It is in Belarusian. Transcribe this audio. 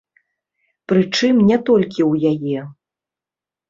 Прычым не толькі ў яе.